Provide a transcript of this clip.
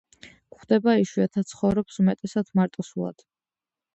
გვხვდება იშვიათად, ცხოვრობს უმეტესად მარტოსულად.